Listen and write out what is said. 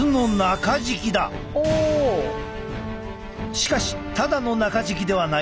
しかしただの中敷きではない。